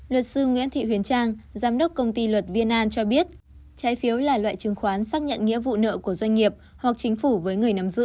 luật sư nguyễn thị huyền trang giám đốc công ty luật viên an cho biết trái phiếu là loại chứng khoán xác nhận nghĩa vụ nợ của doanh nghiệp hoặc chính phủ với người nắm giữ